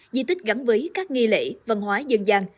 di tích gắn với các nghi lễ văn hóa dân gian